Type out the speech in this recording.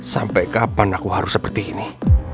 sampai kapan aku harus seperti ini